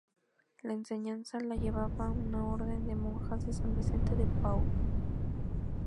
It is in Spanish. La enseñanza la llevaba una orden de monjas de San Vicente de Paúl.